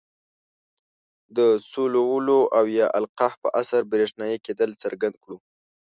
د سولولو او یا القاء په اثر برېښنايي کیدل څرګند کړو.